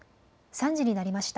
３時になりました。